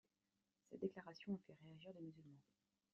Cette déclaration a fait réagir les musulmans.